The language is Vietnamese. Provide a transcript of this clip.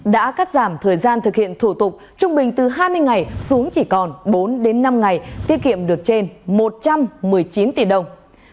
đã cắt giảm thời gian thực hiện thủ tục trung bình từ hai mươi ngày xuống chỉ còn bốn đến năm ngày tiết kiệm được trên một trăm một mươi chín tỷ đồng